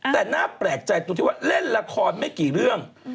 แต่น่าแปลกใจตรงที่ว่าเล่นละครไม่กี่เรื่อง